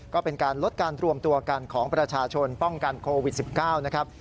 ก็เป็นการลดการรวมตัวกันของประชาชนป้องกันโควิด๑๙นะครับ